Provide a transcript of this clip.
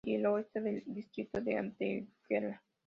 Y al oeste el distrito de Antequera.